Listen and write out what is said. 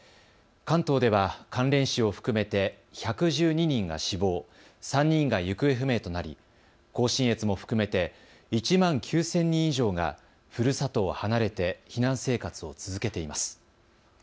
関東では関連死を含めて１１２人が死亡、３人が行方不明となり甲信越も含めて１万９０００人以上がふるさとを離れて避難生活を続けています。